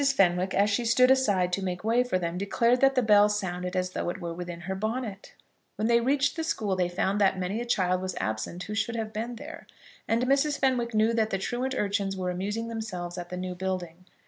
Fenwick, as she stood aside to make way for them, declared that the bell sounded as though it were within her bonnet. When they reached the school they found that many a child was absent who should have been there, and Mrs. Fenwick knew that the truant urchins were amusing themselves at the new building.